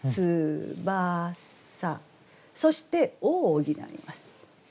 そして「を」を補います。